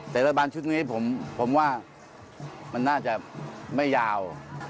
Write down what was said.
แต่รัฐบาลชุดนี้ผมว่ามันน่าจะไม่ยาว